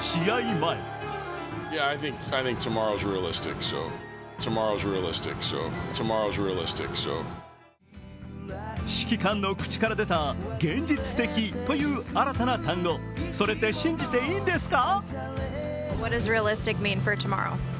前指揮官の口から出た現実的という新たな単語、それって信じていいんですか？